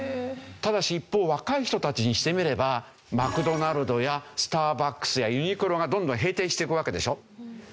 ただし一方若い人たちにしてみればマクドナルドやスターバックスやユニクロがどんどん閉店していくわけでしょ。